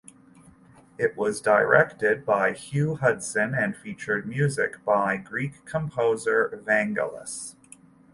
It was directed by Hugh Hudson and featured music by Greek composer Vangelis.